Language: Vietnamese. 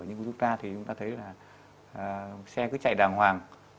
nhưng của chúng ta thì chúng ta thấy là xe cứ chạy đàng hoàng